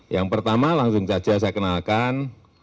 yang pertama langsung saja saya kenalkan